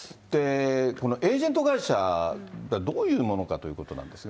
エージェント会社、どういうものかということなんですが。